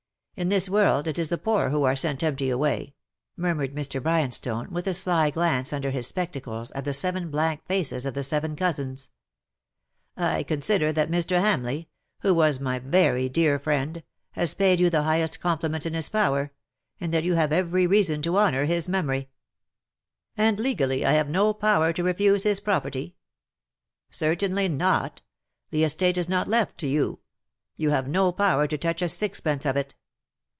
In this world it is the poor who are sent empty away/' murmured Mr. Bryanstone, with a sly glance under his spectacles at the seven blank faces of the seven cousins. ^' I consider that Mr. Hamleigh — who was my very dear friend — has paid you the highest compliment in his power, and that you have every reason to honour his memory.^^ ''And legally I have no power to refuse his property T' " Certainly not. The estate is not left to you — you have no power to touch a sixpence of it.